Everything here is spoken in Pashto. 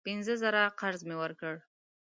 پینځه زره قرض مې ورکړ.